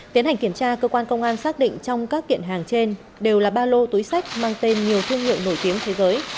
tiến hành kiểm tra cơ quan công an xác định trong các kiện hàng trên đều là ba lô túi sách mang tên nhiều thương hiệu nổi tiếng thế giới